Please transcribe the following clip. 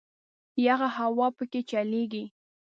یخه هوا په کې چلیږي.